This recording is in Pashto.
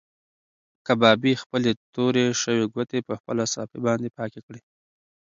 کبابي خپلې تورې شوې ګوتې په خپله صافه باندې پاکې کړې.